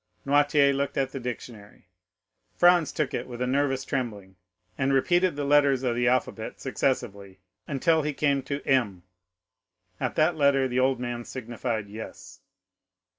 Noirtier looked at the dictionary. Franz took it with a nervous trembling, and repeated the letters of the alphabet successively, until he came to M. At that letter the old man signified "Yes."